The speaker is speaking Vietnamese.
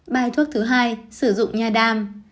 bài thuốc thứ hai sử dụng nha đam